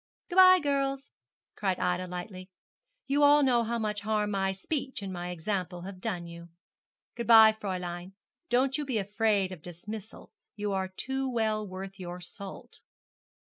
'Good bye, girls,' cried Ida, lightly: 'you all know how much harm my speech and my example have done you. Good bye, Fräulein; don't you be afraid of dismissal, you are too well worth your salt.'